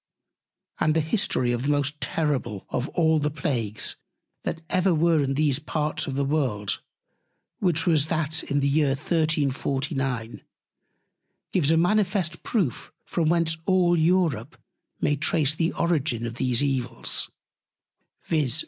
And the History of the most terrible of all the Plagues, that ever were in these Parts of the World, which was that in the Year 1349, gives a manifest Proof from whence all Europe may trace the Origine of these Evils, viz.